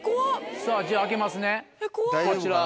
さぁじゃあ開けますね。